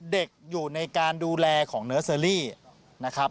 เด็กอยู่ในการดูแลของเนื้อเซอรี่นะครับ